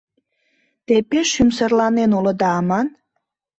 Те пеш сӱмсырланен улыда аман.